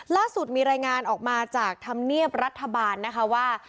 ล่าสุดมีรายงานออกมาจากธรรมเนียบรัฐบาลนะคะว่า